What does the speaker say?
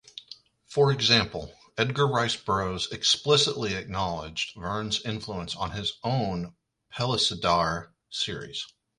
For example, Edgar Rice Burroughs explicitly acknowledged Verne's influence on his own "Pellucidar" series.